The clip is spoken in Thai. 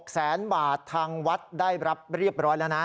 แสนบาททางวัดได้รับเรียบร้อยแล้วนะ